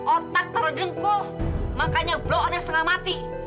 otak taruh dengkul makanya blo'annya setengah mati